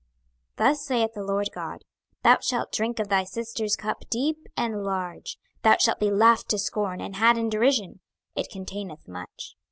26:023:032 Thus saith the Lord GOD; Thou shalt drink of thy sister's cup deep and large: thou shalt be laughed to scorn and had in derision; it containeth much.